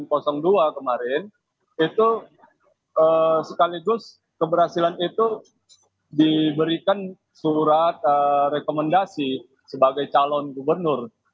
pada tahun dua ribu dua kemarin itu sekaligus keberhasilan itu diberikan surat rekomendasi sebagai calon gubernur